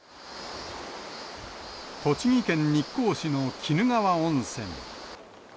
栃木県日光市の鬼怒川温泉。